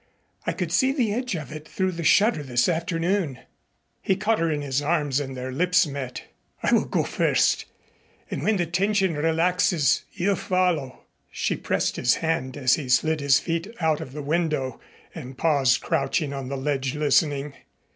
I could see the edge of it through the shutter this afternoon." He caught her in his arms and their lips met. "I will go first. Then when the tension relaxes, you follow." She pressed his hand as he slid his feet out of the window and paused crouching on the ledge listening.